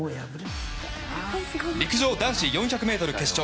陸上男子４００ｍ決勝。